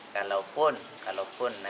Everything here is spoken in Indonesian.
kalau pun nanti misalkan punya